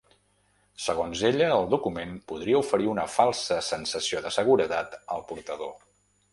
Segons ella, el document podria oferir una falsa sensació de seguretat al portador.